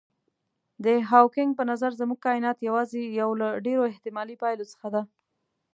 د هاوکېنګ په نظر زموږ کاینات یوازې یو له ډېرو احتمالي پایلو څخه دی.